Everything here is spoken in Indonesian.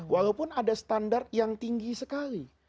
walaupun ada standar yang tinggi sekali